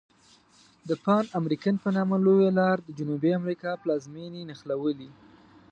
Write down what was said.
د پان امریکن په نامه لویه لار د جنوبي امریکا پلازمیني نښلولي.